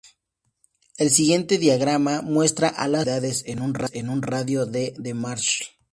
El siguiente diagrama muestra a las localidades en un radio de de Marshall.